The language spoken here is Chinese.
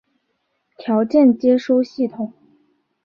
条件接收系统。